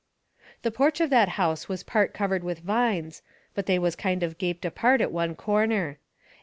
The porch of that house was part covered with vines, but they was kind of gaped apart at one corner.